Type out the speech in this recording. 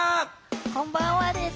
こんばんはです。